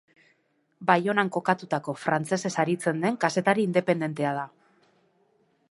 Baionan kokatutako frantsesez aritzen den kazetari independentea da.